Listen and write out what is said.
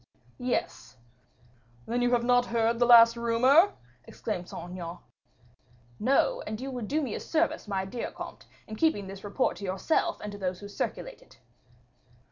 "Yes." "Then you have not heard the last rumor?" exclaimed Saint Aignan. "No, and you will do me a service, my dear comte, in keeping this report to yourself and to those who circulate it."